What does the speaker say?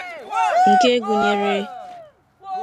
nke gụnyere: